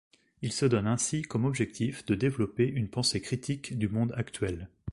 Il se donne ainsi comme objectif de développer une pensée critique du monde actuel.